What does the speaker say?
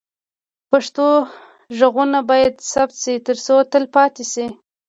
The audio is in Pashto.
پښتو غږونه باید ثبت شي ترڅو تل پاتې شي.